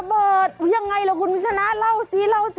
อย่างไรล่ะคุณวิชนะเล่าสิ